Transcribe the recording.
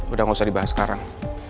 udah gak usah dibahas sekarang